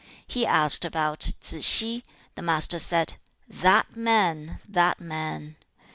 2. He asked about Tsze hsi. The Master said, 'That man! That man!'